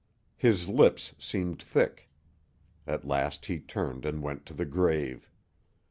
His lips seemed thick. At last he turned and went to the grave.